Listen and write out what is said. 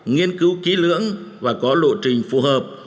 nghiên cứu kỹ lưỡng và có lộ trình phù hợp